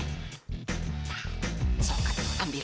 nah sok atuh ambil